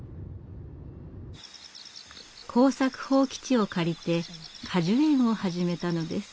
耕作放棄地を借りて果樹園を始めたのです。